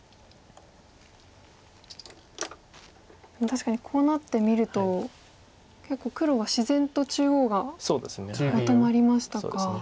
確かにこうなってみると結構黒は自然と中央がまとまりましたか。